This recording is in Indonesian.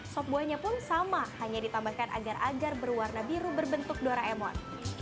sop buahnya pun sama hanya ditambahkan agar agar berwarna biru berbentuk doraemon